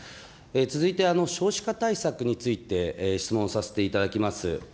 続いて、少子化対策について質問させていただきます。